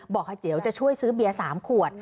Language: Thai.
เดี๋ยวจะช่วยซื้อเบียร์๓ขวด